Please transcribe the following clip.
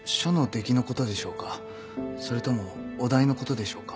それともお題のことでしょうか？